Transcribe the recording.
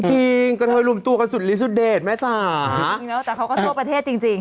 จริงกระเทยรวมตัวกันสุดลิสุเดชแม่จ๋าจริงแล้วแต่เขาก็ทั่วประเทศจริงจริง